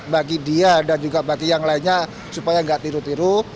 bagi dia dan juga bagi yang lainnya supaya nggak tiru tiru